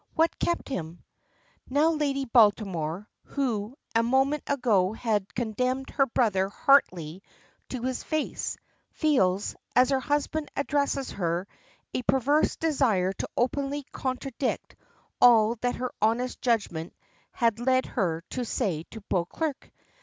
What kept him?" Now Lady Baltimore who a moment ago had condemned her brother heartily to his face feels, as her husband addresses her, a perverse desire to openly contradict all that her honest judgment had led her to say to Beauclerk.